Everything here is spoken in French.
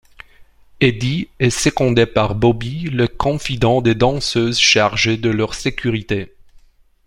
Eddie est secondé par Bobby, le confident des danseuses chargé de leur sécurité.